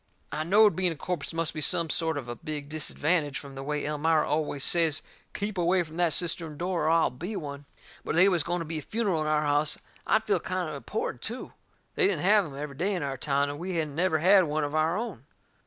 I knowed being a corpse must be some sort of a big disadvantage from the way Elmira always says keep away from that cistern door or I'll be one. But if they was going to be a funeral in our house, I'd feel kind o' important, too. They didn't have em every day in our town, and we hadn't never had one of our own.